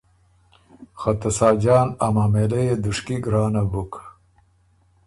خه ته ساجان ا معامېله يې دُشکی ګرانه بُک۔